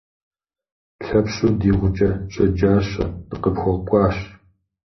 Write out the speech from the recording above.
Лъэпщу ди гъукӏэ щэджащэ, дыкъыпхуэкӏуащ.